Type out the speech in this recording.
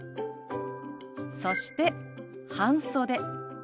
そして「半袖」。